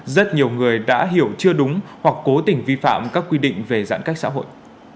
rất nhiều người đã hiểu chưa đúng hoặc cố tình vi phạm các quy định về giãn cách xã hội